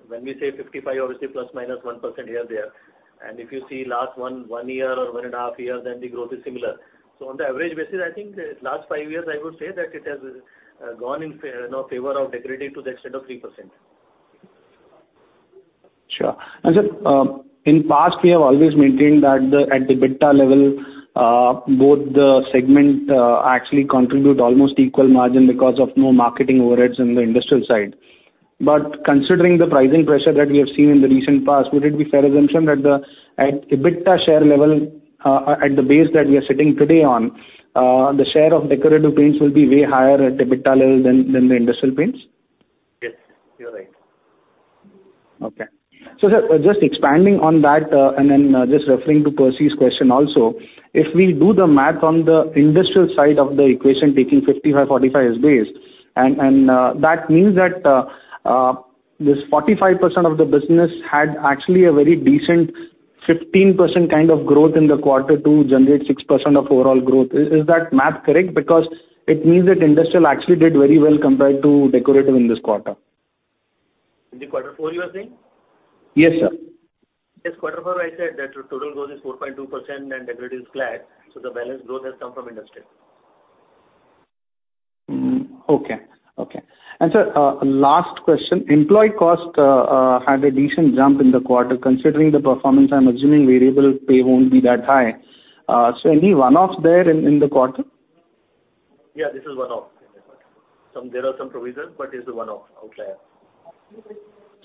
When we say 55, obviously plus minus 1% here or there. If you see last one year or 1.5 years, then the growth is similar. On the average basis, I think the last 5 years I would say that it has gone in, you know, favor of decorative to the extent of 3%. Sure. Sir, in past we have always maintained that at the EBITDA level, both the segment actually contribute almost equal margin because of no marketing overheads in the industrial side. Considering the pricing pressure that we have seen in the recent past, would it be fair assumption that at EBITDA share level, at the base that we are sitting today on, the share of decorative paints will be way higher at EBITDA level than the industrial paints? Yes, you're right. Okay. Sir, just expanding on that, and then just referring to Percy's question also, if we do the math on the industrial side of the equation, taking 55, 45 as base, and that means that this 45% of the business had actually a very decent 15% kind of growth in the quarter to generate 6% of overall growth. Is that math correct? Because it means that industrial actually did very well compared to decorative in this quarter. In the quarter four, you are saying? Yes, sir. Yes, quarter four I said that total growth is 4.2% and decorative is flat, so the balance growth has come from industrial. Okay. Sir, last question. Employee cost had a decent jump in the quarter. Considering the performance, I'm assuming variable pay won't be that high. Any one-offs there in the quarter? Yeah, this is one-off in the quarter. There are some provisions, but it's a one-off outlier.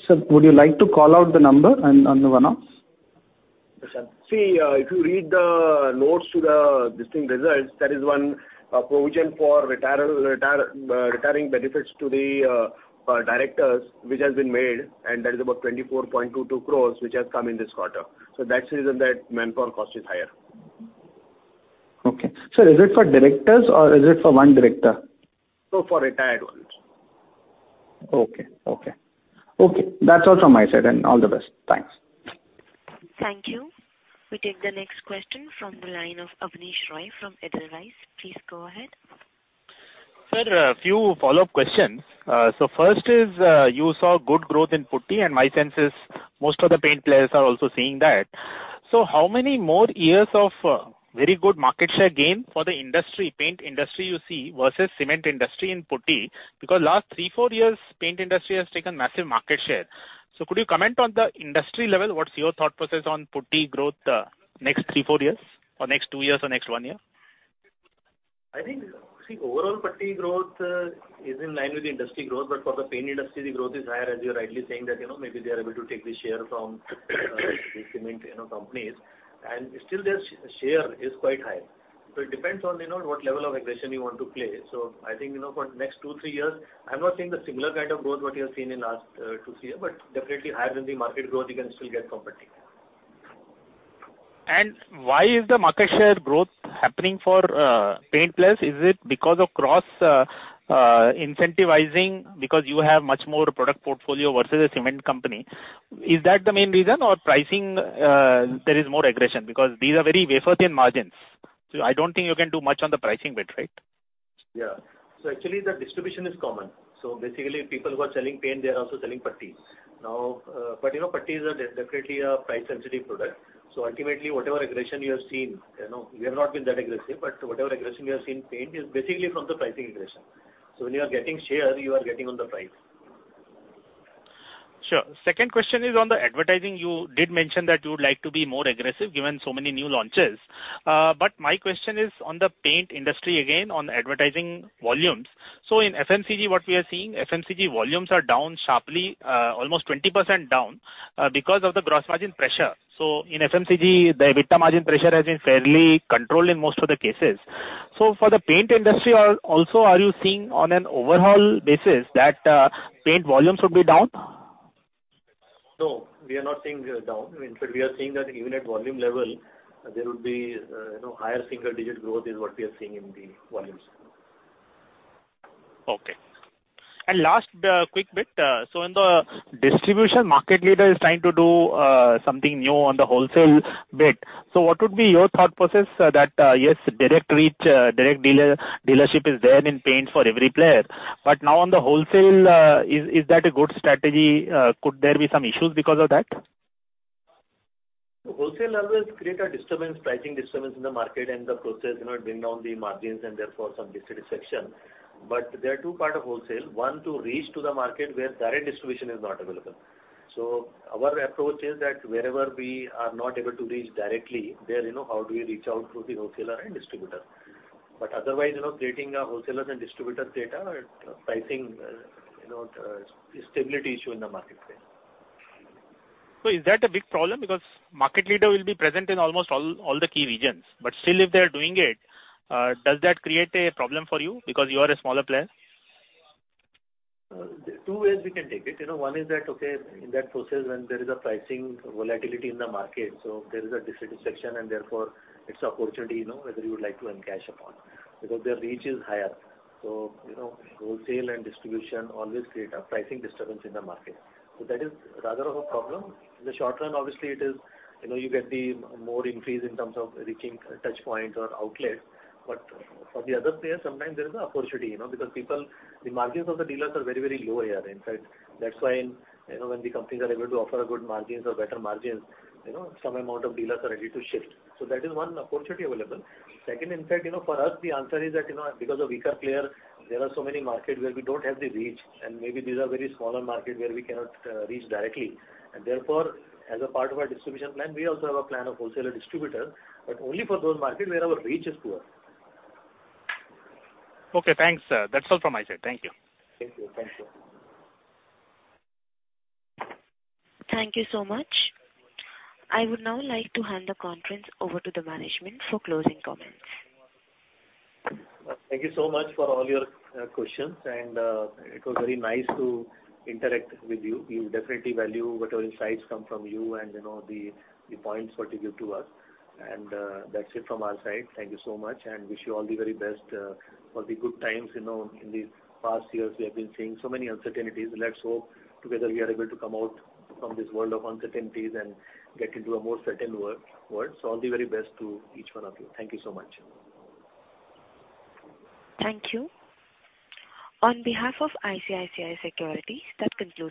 Sir, would you like to call out the number on the one-offs? Yes, sir. See, if you read the notes to the financial results, there is one provision for retiring benefits to the directors which has been made, and that is about 24.22 crore, which has come in this quarter. That's the reason that manpower cost is higher. Okay. Sir, is it for directors or is it for one director? For retired ones. Okay, that's all from my side, and all the best. Thanks. Thank you. We take the next question from the line of Abneesh Roy from Edelweiss. Please go ahead. Sir, a few follow-up questions. First is, you saw good growth in putty, and my sense is most of the paint players are also seeing that. How many more years of very good market share gain for the industry, paint industry you see, versus cement industry in putty? Because last 3-4 years, paint industry has taken massive market share. Could you comment on the industry level, what's your thought process on putty growth, next 3-4 years, or next 2 years, or next 1 year? I think, see, overall putty growth is in line with the industry growth. For the paint industry, the growth is higher, as you're rightly saying that, you know, maybe they are able to take the share from the cement, you know, companies. Still their share is quite high. It depends on, you know, what level of aggression you want to play. I think, you know, for next two, three years, I'm not saying the similar kind of growth what you have seen in last two year, but definitely higher than the market growth you can still get from putty. Why is the market share growth happening for paint players? Is it because of cross-incentivizing because you have much more product portfolio versus a cement company? Is that the main reason? Or pricing, there is more aggression? Because these are very wafer-thin margins. So I don't think you can do much on the pricing bit, right? Actually the distribution is common. Basically people who are selling paint, they are also selling putties. Now, you know, putties are definitely a price-sensitive product. Ultimately, whatever aggression you have seen, you know, we have not been that aggressive, but whatever aggression you have seen in paint is basically from the pricing aggression. When you are getting share, you are getting on the price. Sure. Second question is on the advertising. You did mention that you would like to be more aggressive given so many new launches. My question is on the paint industry again, on advertising volumes. In FMCG, what we are seeing, FMCG volumes are down sharply, almost 20% down, because of the gross margin pressure. In FMCG, the EBITDA margin pressure has been fairly controlled in most of the cases. For the paint industry, are you also seeing on an overall basis that paint volumes will be down? No, we are not seeing down. In fact, we are seeing that even at volume level, there would be, you know, higher single-digit growth is what we are seeing in the volumes. Okay. Last, quick bit. In the distribution, market leader is trying to do something new on the wholesale bit. What would be your thought process that, yes, direct reach, direct dealer, dealership is there in paints for every player. Now on the wholesale, is that a good strategy? Could there be some issues because of that? Wholesale always create a disturbance, pricing disturbance in the market and the process, you know, bring down the margins and therefore some dissatisfaction. There are two part of wholesale. One, to reach to the market where direct distribution is not available. Our approach is that wherever we are not able to reach directly, there, you know, how do we reach out through the wholesaler and distributor. Otherwise, you know, creating a wholesaler and distributor data, it, pricing, you know, stability issue in the marketplace. Is that a big problem? Because market leader will be present in almost all the key regions. Still, if they're doing it, does that create a problem for you because you are a smaller player? Two ways we can take it. You know, one is that, okay, in that process, when there is a pricing volatility in the market, so there is a dissatisfaction and therefore it's opportunity, you know, whether you would like to encash upon because their reach is higher. You know, wholesale and distribution always create a pricing disturbance in the market. That is rather of a problem. In the short run, obviously, it is, you know, you get the more increase in terms of reaching touchpoints or outlets. For the other players, sometimes there is an opportunity, you know, because people, the margins of the dealers are very, very low here. In fact, that's why, you know, when the companies are able to offer good margins or better margins, you know, some amount of dealers are ready to shift. That is one opportunity available. Second, in fact, you know, for us the answer is that, you know, because of weaker player, there are so many market where we don't have the reach, and maybe these are very smaller market where we cannot reach directly. Therefore, as a part of our distribution plan, we also have a plan of wholesaler distributor, but only for those market where our reach is poor. Okay, thanks. That's all from my side. Thank you. Thank you. Thank you. Thank you so much. I would now like to hand the conference over to the management for closing comments. Thank you so much for all your questions, and it was very nice to interact with you. We definitely value whatever insights come from you and, you know, the points what you give to us. That's it from our side. Thank you so much, and wish you all the very best for the good times, you know. In these past years, we have been seeing so many uncertainties. Let's hope together we are able to come out from this world of uncertainties and get into a more certain world. All the very best to each one of you. Thank you so much. Thank you. On behalf of ICICI Securities, that concludes.